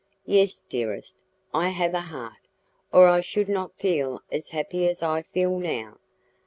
Yes, dearest, I have a heart, or I should not feel as happy as I feel now.